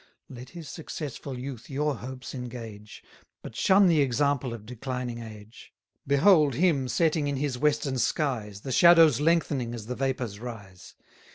Let his successful youth your hopes engage; But shun the example of declining age: Behold him setting in his western skies, The shadows lengthening as the vapours rise.